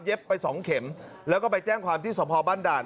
ไปสองเข็มแล้วก็ไปแจ้งความที่สพบ้านด่าน